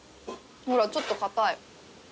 ほらちょっと硬い。